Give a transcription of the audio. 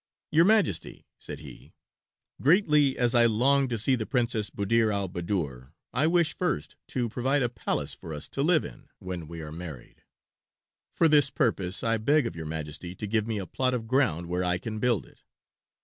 "Your Majesty," said he, "greatly as I long to see the Princess Buddir al Baddoor I wish first to provide a palace for us to live in when we are married. For this purpose I beg of your Majesty to give me a plot of ground where I can build it."